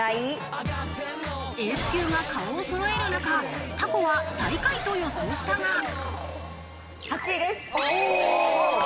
エース級が顔をそろえる中、たこは最下位と予想したが。